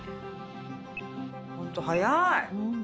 ほんと早い！